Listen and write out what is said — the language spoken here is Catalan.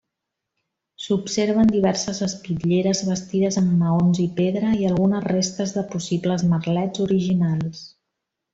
S'observen diverses espitlleres bastides amb maons i pedra, i algunes restes de possibles merlets originals.